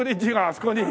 あそこに。